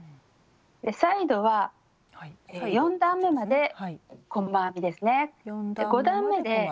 サイドは４段めまで細編みですね。